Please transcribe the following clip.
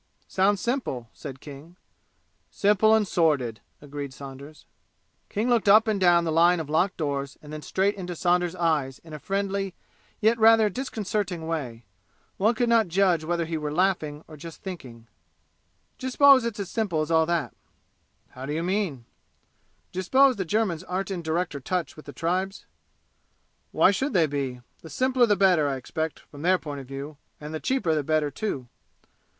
"Sounds simple!" said King. "Simple and sordid!" agreed Saunders. King looked up and down the line of locked doors and then straight into Saunders' eyes in a friendly, yet rather disconcerting way. One could not judge whether he were laughing or just thinking. "D'you suppose it's as simple as all that?" "How d'you mean?" "D'you suppose the Germans aren't in direct touch with the tribes?" "Why should they be? The simpler the better, I expect, from their point of view; and the cheaper the better, too!"